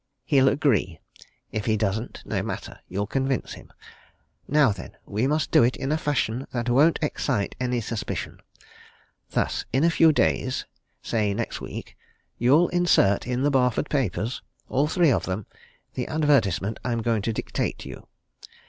He'll agree. If he doesn't, no matter you'll convince him. Now, then, we must do it in a fashion that won't excite any suspicion. Thus in a few days say next week you'll insert in the Barford papers all three of them the advertisement I'm going to dictate to you.